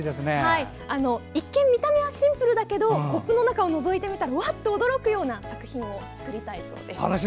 一見見た目はシンプルだけどコップの中をのぞいてみたらわっと驚くような作品を作りたいそうです。